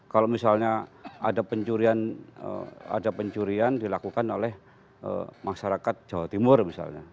kalau misalnya ada pencurian dilakukan oleh masyarakat jawa timur misalnya